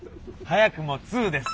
早くも２です。